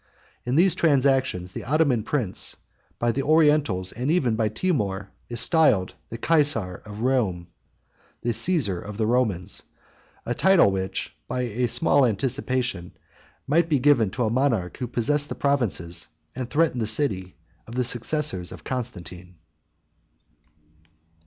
In these transactions, the Ottoman prince, by the Orientals, and even by Timour, is styled the Kaissar of Roum, the Cæsar of the Romans; a title which, by a small anticipation, might be given to a monarch who possessed the provinces, and threatened the city, of the successors of Constantine.